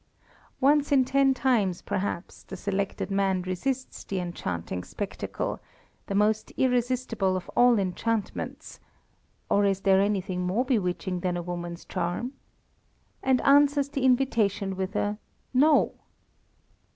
Once in ten times, perhaps, the selected man resists the enchanting spectacle, the most irresistible of all enchantments (or is there anything more bewitching than a woman's charms?), and answers the invitation with a "No!"